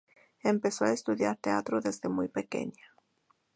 Empezó a estudiar teatro desde muy pequeña.